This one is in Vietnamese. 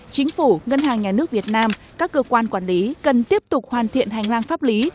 chính phủ ngân hàng nhà nước việt nam các cơ quan quản lý cần tiếp tục hoàn thiện hành lang pháp lý